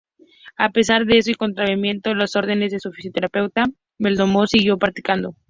A pesar de eso y contraviniendo las órdenes de su fisioterapeuta, Belmondo siguió practicando.